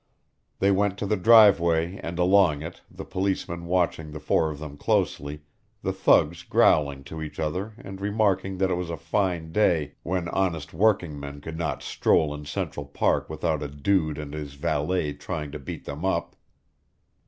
They went to the driveway and along it, the policemen watching the four of them closely, the thugs growling to each other and remarking that it was a fine day when honest workingmen could not stroll in Central Park without a dude and his valet trying to beat them up.